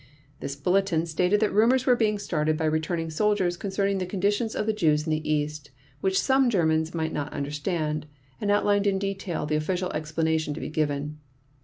This bulletin stated that rumors were being started by returning soldiers concerning the conditions of Jews in the East which some Germans might not understand, and outlined in detail the official explanation to be given.